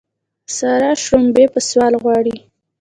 سارا شړومبې په سوال غواړي.